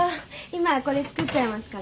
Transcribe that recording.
今これ作っちゃいますからね。